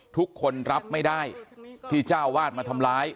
ทุกคนรับไม่ได้ที่เจ้าวาดมาทำร้าย